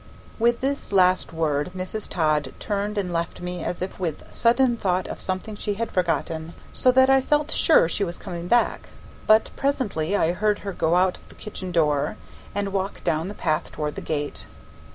With this last word Mrs. Todd turned and left me as if with sudden thought of something she had forgotten, so that I felt sure she was coming back, but presently I heard her go out of the kitchen door and walk down the path toward the gate.